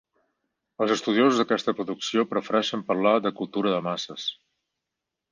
Els estudiosos d’aquesta producció prefereixen parlar de cultura de masses.